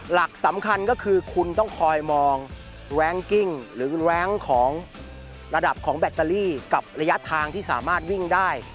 หลักสำคัญก็คือคุณต้องคอยมองแว้งกิ้งหรือแรงของระดับของแบตเตอรี่กับระยะทางที่สามารถวิ่งได้